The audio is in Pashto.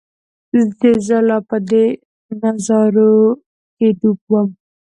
چې زۀ لا پۀ دې نظارو کښې ډوب ووم